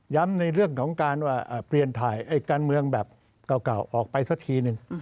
ยำในเรื่องของการว่าอ่ะเปลี่ยนไทยการเมืองแบบเก่าเก่าออกไปสักทีหนึ่งอ๋อ